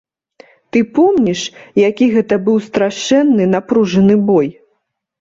Ты помніш, які гэта быў страшэнны, напружаны бой?